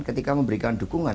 ketika memberikan dukungan